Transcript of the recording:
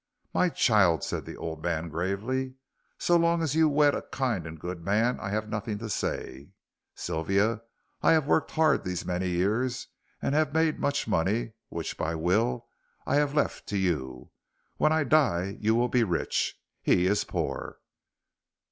'" "My child," said the old man, gravely, "so long as you wed a kind and good man I have nothing to say. Sylvia, I have worked hard these many years and have made much money, which, by will, I have left to you. When I die you will be rich. He is poor."